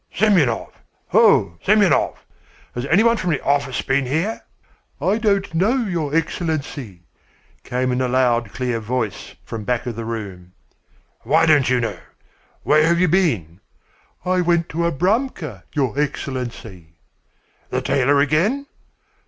"Semyonov! Ho, Semyonov! Has any one from the office been here?" "I don't know, your Excellency," came in a loud, clear voice from back of the room. "Why don't you know? Where have you been?" "I went to Abramka, your Excellency." "The tailor again?"